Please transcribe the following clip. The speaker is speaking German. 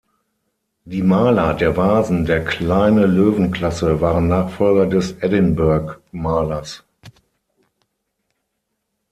Die Maler der Vasen der Kleine-Löwen-Klasse waren Nachfolger des Edinburgh-Malers.